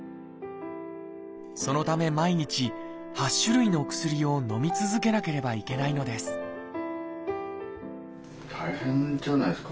そのため毎日８種類の薬をのみ続けなければいけないのです大変じゃないですか？